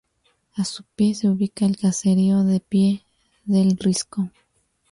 A su pie se ubica el caserío de Pie del Risco.